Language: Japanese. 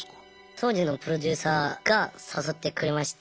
当時のプロデューサーが誘ってくれまして。